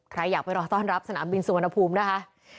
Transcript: ใครอยากไปรอต้อนรับสนามบินสุวรรณภูมินะคะ